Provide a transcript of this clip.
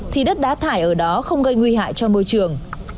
thì đất đá thải ở đó không gây nguy hại cho môi trường